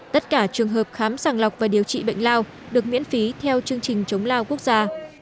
tất cả trường hợp khám sàng lọc và điều trị bệnh lao được miễn phí theo chương trình chống lao quốc gia